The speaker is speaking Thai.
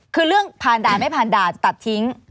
คือเรื่องผ่านด่านไม่ผ่านด่านตัดทิ้ง